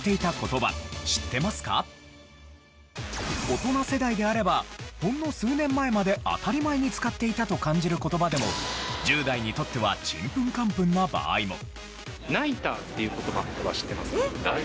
大人世代であればほんの数年前まで当たり前に使っていたと感じる言葉でも１０代にとってはちんぷんかんぷんな場合も。